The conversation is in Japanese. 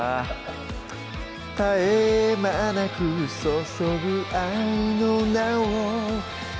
「絶え間なく注ぐ愛の名を永遠と」